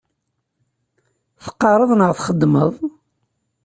Teqqareḍ neɣ txeddmeḍ?